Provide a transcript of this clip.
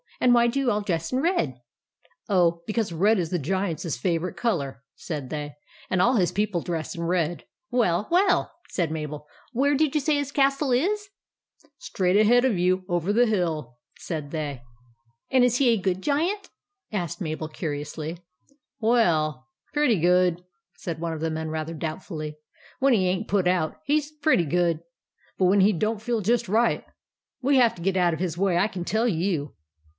" And why do you all dress in red ?"" Oh, because red is the Giant's favourite colour," said they ;" and all his people dress in red." " Well, well !" said Mabel. " Where did you say his castle is ?" "Straight ahead of you, over the hill," said they. 1 62 THE ADVENTURES OF MABEL " And is he a good Giant ?" asked Mabel, curiously. " W e 11, pretty good," said one of the men, rather doubtfully. " When he ain't put out, he 's pretty good ; but when he don't feel just right, we have to get out of his way, I can tell you